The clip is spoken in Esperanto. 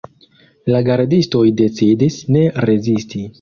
La gardistoj decidis ne rezisti.